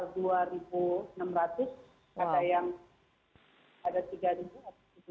ada yang ada tiga atau tiga dua ratus